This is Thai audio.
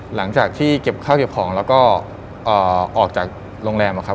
หลังจากที่เก็บข้าวเก็บของแล้วก็ออกจากโรงแรมอะครับ